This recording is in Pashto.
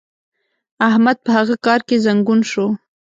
احمد په هغه کار کې زنګون شو.